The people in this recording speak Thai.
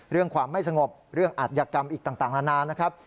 เรื่องความไม่สงบเรื่องอัธยกรรมอีกต่างนานานะครับ